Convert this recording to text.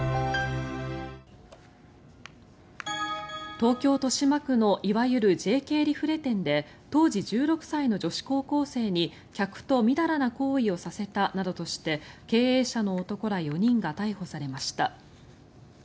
東京・豊島区のいわゆるＪＫリフレ店で当時１６歳の女子高校生に客とみだらな行為をさせたなどとして経営者の男ら４人が逮捕されました。